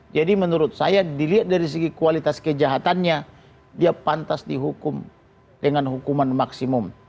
menurut saya dilihat dari segi kualitas kejahatannya dia pantas dihukum dengan hukuman maksimum